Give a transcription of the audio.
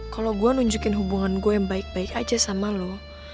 kalau gue nunjukin hubungan gue yang baik baik aja sama lo